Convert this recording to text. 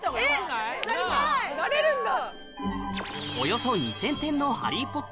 なれるんだ。